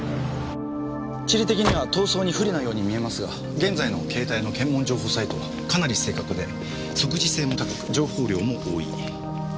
地理的には逃走に不利なように見えますが現在の携帯の検問情報サイトはかなり正確で即時性も高く情報量も多い。